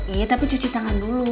iya tapi cuci tangan dulu